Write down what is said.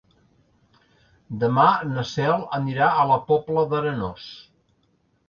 Demà na Cel anirà a la Pobla d'Arenós.